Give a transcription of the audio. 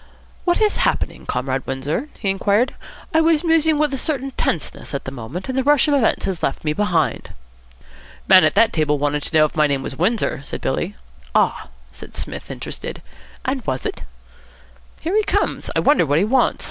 "What is happening, Comrade Windsor?" he inquired. "I was musing with a certain tenseness at the moment, and the rush of events has left me behind." "Man at that table wanted to know if my name was Windsor," said Billy. "Ah?" said Psmith, interested; "and was it?" "Here he comes. I wonder what he wants.